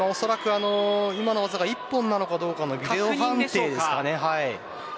今の技が一本なのかどうかのビデオ判定です。